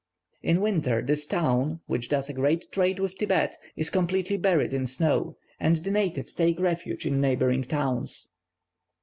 In winter, this town, which does a great trade with Thibet, is completely buried in snow, and the natives take refuge in neighbouring towns.